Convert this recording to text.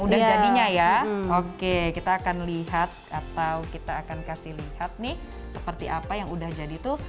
udah jadinya ya oke kita akan lihat atau kita akan kasih lihat nih seperti apa yang udah jadi tuh